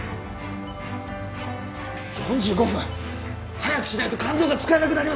４５分早くしないと肝臓が使えなくなります！